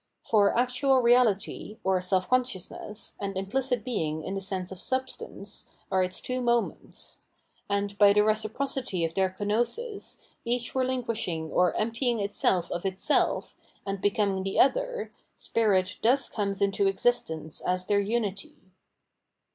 For actual reality, or seK consciousness, and implicit being in the sense of substance, are its two moments ; and by the reciprocity of their kenosis, each re]inc[uishing or " emptying " itself of itself and becoming the other, spirit thus comes into existence as their umty.